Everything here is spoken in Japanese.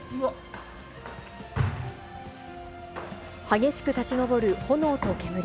激しく立ち上る炎と煙。